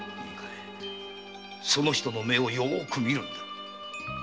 そのお方の目をようく見るんだ。